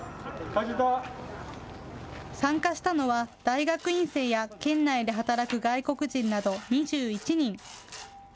参加したのは大学院生や県内で働く外国人など２１人。